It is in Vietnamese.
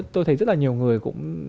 tôi thấy rất là nhiều người cũng